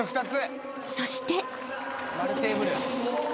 ［そして］